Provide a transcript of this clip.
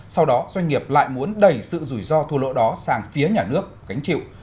sau đó doanh nghiệp lại muốn đẩy sự rủi ro thua lỗ đó sang phía nhà nước cánh chịu